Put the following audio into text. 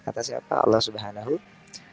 kata siapa allah swt